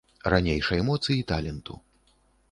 Ранейшай моцы і таленту.